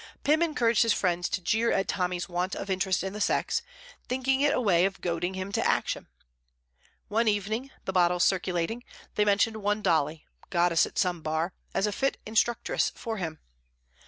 Pym encouraged his friends to jeer at Tommy's want of interest in the sex, thinking it a way of goading him to action. One evening, the bottles circulating, they mentioned one Dolly, goddess at some bar, as a fit instructress for him.